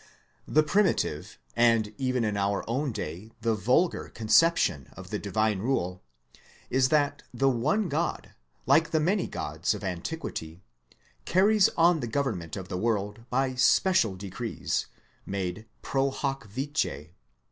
The primitive, and even in our own day the vulgar, conception of the divine rule, is that the one Grod, like the many Grods of antiquity, carries on the govern ment of the world by special decrees, made pro hac vice.